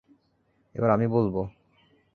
এবার আমি বলব?